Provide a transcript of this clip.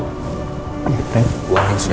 saya dipercaya siapa